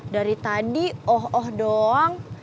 dari tadi oh oh doang